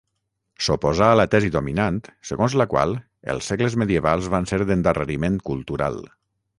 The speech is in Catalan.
S'oposà a la tesi dominant segons la qual els segles medievals van ser d'endarreriment cultural.